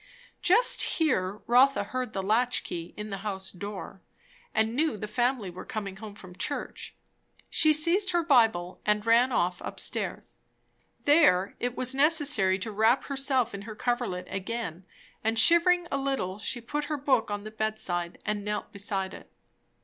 ust here Rotha heard the latch key in the house door, and knew the family were coming home from church. She seized her Bible and ran off up stairs. There it was necessary to wrap herself in her coverlet again; and shivering a little she put her book on the bed side and knelt beside it.